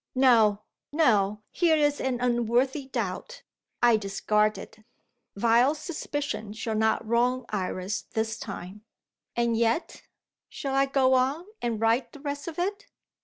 No, no here is an unworthy doubt. I discard it. Vile suspicion shall not wrong Iris this time. And yet Shall I go on, and write the rest of it?